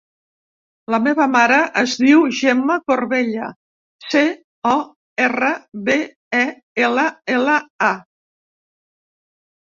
La meva mare es diu Gemma Corbella: ce, o, erra, be, e, ela, ela, a.